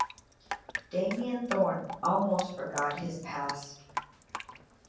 Damien Thorn almost forgot his past.